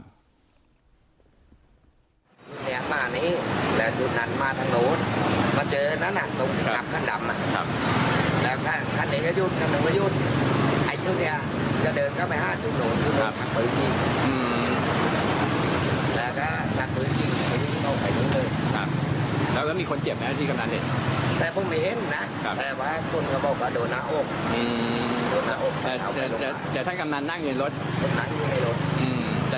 ก็มีคนเจ็บเมี่ยที่ดูดในรถ